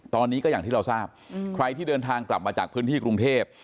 ตอนนี้ก็อย่างที่เราทราบใครที่เดินทางกลับมาจากพื้นที่กรุงเทพ